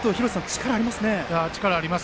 力ありますね。